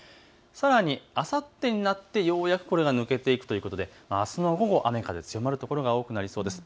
さらにあさってになってようやくこれが抜けていくということであすの午後、雨風強まる所が多くなりそうです。